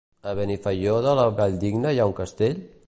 A Benifairó de la Valldigna hi ha un castell?